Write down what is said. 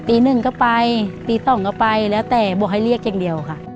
ตีหนึ่งก็ไปตี๒ก็ไปแล้วแต่บอกให้เรียกอย่างเดียวค่ะ